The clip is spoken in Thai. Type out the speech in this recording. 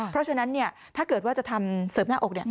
เพราะฉะนั้นถ้าเกิดว่าจะทำเสริมหน้าอก